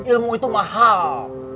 ilmu itu mahal